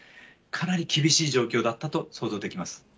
かなり厳しい状況だったと想像できます。